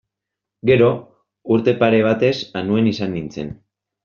Gero, urte pare batez Anuen izan nintzen.